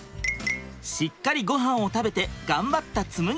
しっかりご飯を食べて頑張った紬ちゃん。